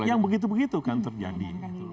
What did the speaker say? yang begitu begitu kan terjadi